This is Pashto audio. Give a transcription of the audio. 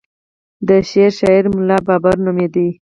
د شعر شاعر ملا بابړ نومېد.